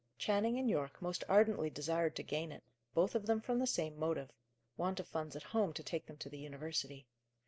Channing and Yorke most ardently desired to gain it; both of them from the same motive want of funds at home to take them to the university.